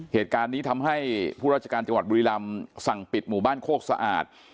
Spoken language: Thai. เหตุการณ์นี้ทำให้ผู้ราชการจังหวัดบุรีลำสั่งปิดหมู่บ้านโคกสะอาด